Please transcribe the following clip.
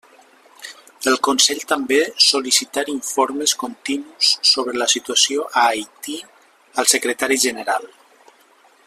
El Consell també sol·licitar informes continus sobre la situació a Haití al Secretari General.